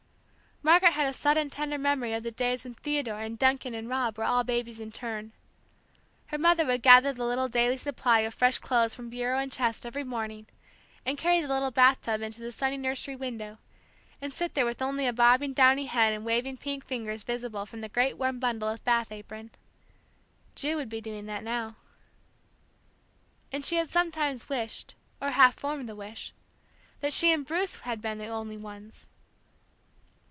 Margaret had a sudden tender memory of the days when Theodore and Duncan and Rob were all babies in turn. Her mother would gather the little daily supply of fresh clothes from bureau and chest every morning, and carry the little bath tub into the sunny nursery window, and sit there with only a bobbing downy head and waving pink angers visible from the great warm bundle of bath apron.... Ju would be doing that now. And she had sometimes wished, or half formed the wish, that she and Bruce bad been the only ones